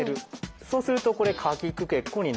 そうするとこれ「かきくけこ」になるんですね。